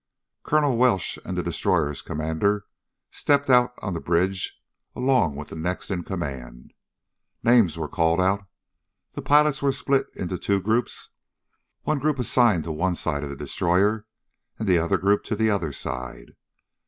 Colonel Welsh and the destroyer's commander stepped out on the bridge along with the next in command. Names were called out. The pilots were split into two groups, one group assigned to one side of the destroyer, and the other group to the other side.